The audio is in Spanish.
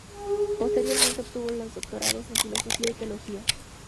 Posteriormente, obtuvo los doctorados en filosofía y teología.